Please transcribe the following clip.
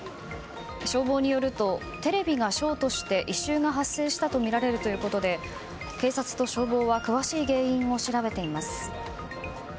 消防によるとテレビがショートして異臭が発生したとみられるということで警察と消防は詳しい原因を調べています。